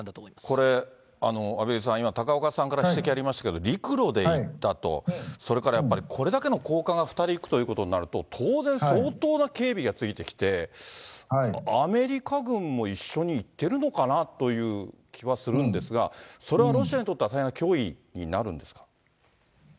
これ、畔蒜さん、今、高岡さんから指摘ありましたけれども、陸路で行ったと、それからやっぱり、これだけの高官が２人行くということになると、当然相当な警備がついてきて、アメリカ軍も一緒に行ってるのかなという気はするんですが、それはロシアにとっては大変な脅威になるんですか。